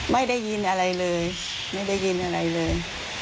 ไม่ได้ยินอะไรเลยไม่ได้ยินอะไรเลย